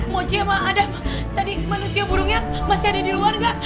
mochi sama adam tadi manusia burungnya masih ada di luar gak